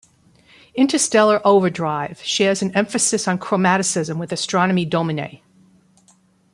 "Interstellar Overdrive" shares an emphasis on chromaticism with "Astronomy Domine".